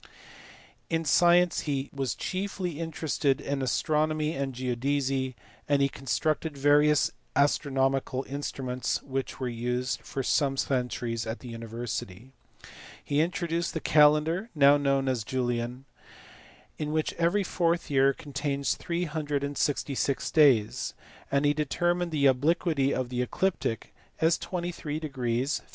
C. In science he was chiefly interested in astronomy and geodesy, and he constructed various astronomical instruments which were used for some centuries at the university. He introduced the calendar (now known as Julian), in which every fourth year contains 366 days; and he determined the obliquity of the ecliptic as 23 5 1 20".